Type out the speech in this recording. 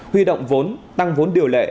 huy động vốn tăng vốn điều lệ